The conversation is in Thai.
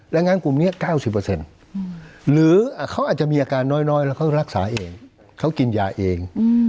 ดังนั้นกลุ่มนี้๙๐หรือเขาอาจจะมีอาการน้อยแล้วเขารักษาเองเขากินยาเอง